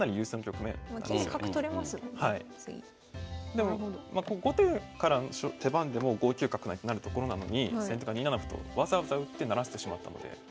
でも後手からの手番でも５九角成となるところなのに先手が２七歩とわざわざ打って成らせてしまったので。